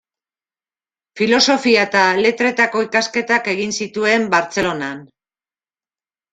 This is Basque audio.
Filosofia eta letretako ikasketak egin zituen, Bartzelonan.